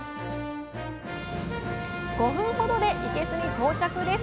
５分ほどでいけすに到着です